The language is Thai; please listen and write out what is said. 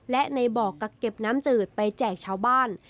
และในบ่อกักเก็บน้ำจืดไปแจกชาวบ้าน